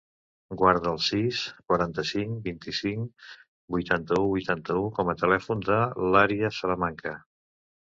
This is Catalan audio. Guarda el sis, quaranta-cinc, vint-i-cinc, vuitanta-u, vuitanta-u com a telèfon de l'Arya Salamanca.